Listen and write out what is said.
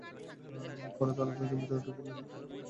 পরে তালা ভেঙে ভেতরে ঢুকে মেয়ের নিথর দেহ পড়ে থাকতে দেখেন।